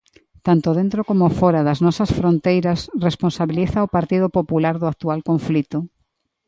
Tanto dentro como fóra das nosas fronteiras responsabiliza ao Partido Popular do actual conflito.